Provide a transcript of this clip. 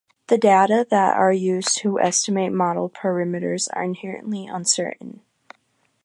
the data that are used to estimate model parameters are inherently uncertain